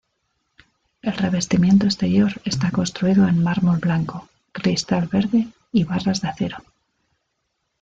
El revestimiento exterior está construido en mármol blanco, cristal verde y barras de acero.